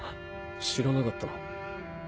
知らなかった？